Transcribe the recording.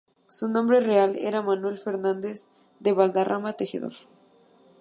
Su nombre real era Manuel Fernandez de Valderrama Tejedor.